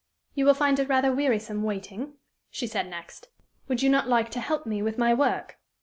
"You will find it rather wearisome waiting," she said next; " would you not like to help me with my work?"